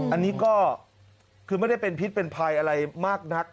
อันนี้ก็คือไม่ได้เป็นพิษเป็นภัยอะไรมากนัก